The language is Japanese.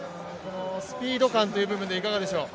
スピード感というのはいかがでしょう。